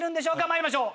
まいりましょう！